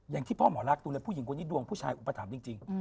อย่างที่พ่อหมอรักดูแลผู้หญิงคนนี้ดวงผู้ชายอุปถัมภ์จริง